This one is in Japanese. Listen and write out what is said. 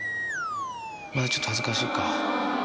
まだちょっと恥ずかしいか。